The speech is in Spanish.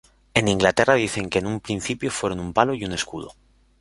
En Inglaterra dicen que en un principio fueron un palo y un escudo.